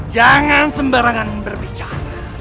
jangan sembarangan berbicara